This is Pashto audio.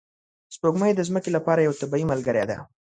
سپوږمۍ د ځمکې لپاره یوه طبیعي ملګرې ده